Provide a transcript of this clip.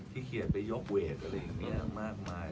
เขียนไปยกเวทอะไรอย่างนี้มากมาย